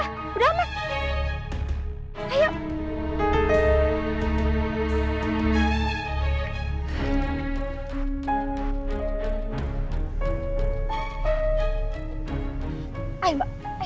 kita ketemu lagi bu